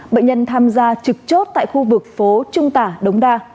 bệnh nhân tham gia trực chốt tại khu vực phố trung tả đống đa